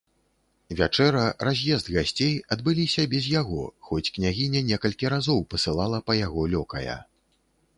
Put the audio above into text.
Вячэра, раз'езд гасцей адбыліся без яго, хоць княгіня некалькі разоў пасылала па яго лёкая.